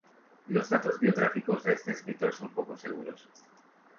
Los datos biográficos de este escritor son poco seguros.